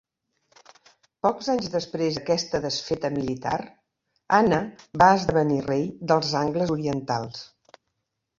Pocs anys després d'aquesta desfeta militar, Anna va esdevenir rei dels angles orientals.